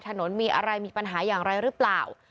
ถนนมีอะไรมีปัญหาอย่างไรหรือเปล่า